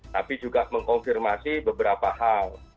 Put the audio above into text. tapi juga mengkonfirmasi beberapa hal